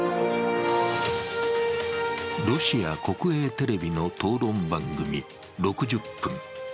ロシア国営テレビの討論番組「６０分」。